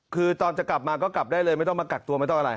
คือตอนจะกลับมาก็กลับได้เลยไม่ต้องมากักตัวไม่ต้องอะไร